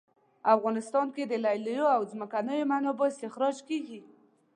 افغانستان کې د لیلیو او ځمکنیو منابعو استخراج کیږي